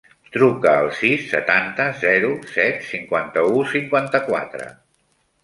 Truca al sis, setanta, zero, set, cinquanta-u, cinquanta-quatre.